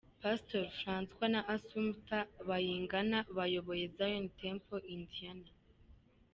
Pastori Francois na Assumpta Bayingana bayoboye Zion Temple Indiana.